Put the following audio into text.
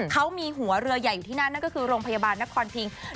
เขามีหัวเรือใหญ่อยู่ที่นั่นนั่นก็คือโรงพยาบาลนครพิง